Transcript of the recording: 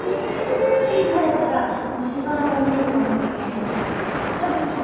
晴れたら星空も見えるかもしれないし楽しみ。